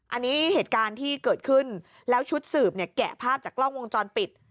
อันนี้เหตุการณ์ที่เกิดขึ้นแล้วชุดสืบเนี่ยแกะภาพจากกล้องวงจรปิด